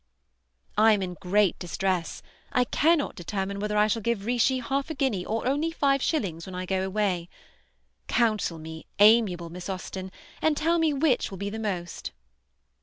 I am in great distress. I cannot determine whether I shall give Richis half a guinea or only five shillings when I go away. Counsel me, amiable Miss Austen, and tell me which will be the most.